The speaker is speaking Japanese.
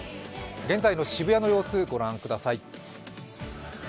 現在の渋谷の様子、ご覧ください。